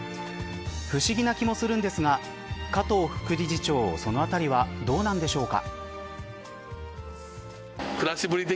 不思議な気もするんですが加藤副理事長そのあたりはどうなんでしょうか。